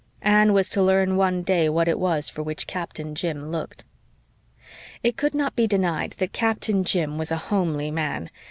Anne was to learn one day what it was for which Captain Jim looked. It could not be denied that Captain Jim was a homely man.